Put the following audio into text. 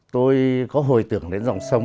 tôi có hồi tưởng đến dòng sông